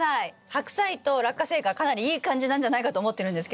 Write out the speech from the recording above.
ハクサイとラッカセイがかなりいい感じなんじゃないかと思ってるんですけど。